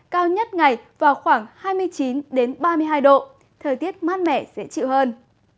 cao nhất ngày vào khoảng hai mươi chín ba mươi hai độ thời tiết mát mẻ dễ chịu hơn